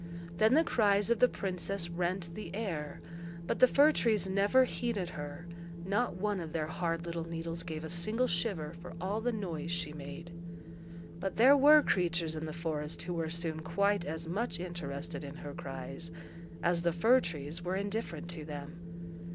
Then the cries of the princess rent the air, but the fir trees never heeded her; not one of their hard little needles gave a single shiver for all the noise she made. But there were creatures in the forest who were soon quite as much interested in her cries as the fir trees were indifferent to them.